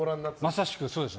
まさしくそうです。